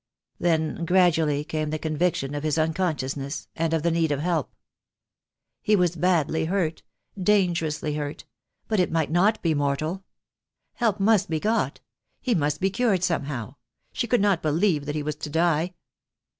Then gradually came the conviction of his unconsciousness, and of the need of help. He was badly hurt — dangerously hurt — but it might not be mortal. Help must be got. He must be cured somehow. She could not believe that he was to die.